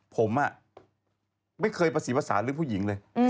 ผมไม่เคยประสีภาษาเรื่องผู้หญิงเลย